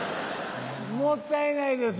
もったいないです